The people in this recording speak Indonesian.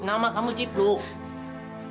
nama kamu cipluk